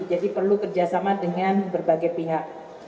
jadi perlu kerjasama dengan berbagai pihak